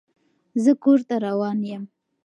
زه کور ته روان يم.